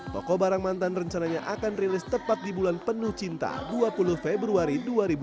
toko barang mantan rencananya akan rilis tepat di bulan penuh cinta dua puluh februari dua ribu dua puluh